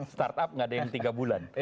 startup nggak ada yang tiga bulan